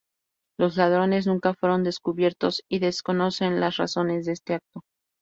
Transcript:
Los ladrones nunca fueron descubiertos, y se desconocen las razones de este acto.